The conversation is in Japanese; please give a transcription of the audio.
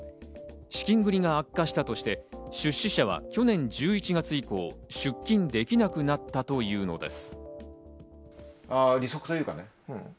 資金繰りが悪化したとして出資者は去年１１月以降、出金できなくなったというのです。